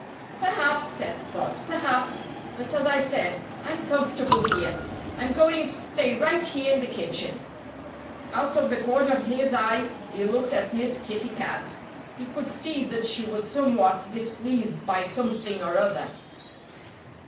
"Perhaps!" said Spot. "Perhaps! But as I said, I'm comfortable here. I'm going to stay right here in the kitchen." Out of the corner of his eye he looked at Miss Kitty Cat. He could see that she was somewhat displeased by something or other.